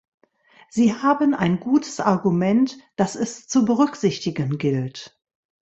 Sie haben ein gutes Argument, das es zu berücksichtigen gilt.